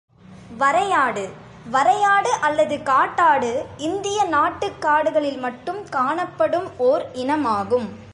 வரையாடு வரையாடு அல்லது காட்டாடு இந்திய நாட்டுக் காடுகளில் மட்டும் காணப்படும் ஓர் இனமாகும்.